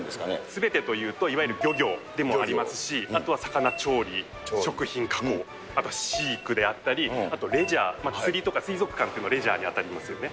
すべてというと、いわゆる漁業でもありますし、あとは魚調理、食品加工、あと飼育であったり、あと、レジャー、釣りとか水族館っていうのは、レジャーに当たりますよね。